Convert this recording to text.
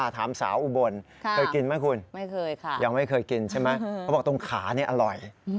ถามสาวอุบลเคยกินไหมคุณไม่เคยค่ะยังไม่เคยกินใช่ไหมเขาบอกตรงขานี่อร่อย